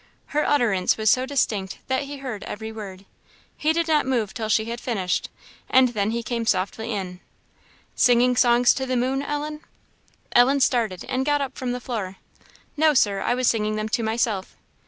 Her utterance was so distinct that he heard every word. He did not move till she had finished, and then he came softly in. "Singing songs to the moon, Ellen?" Ellen started, and got up from the floor. "No, Sir; I was singing them to myself."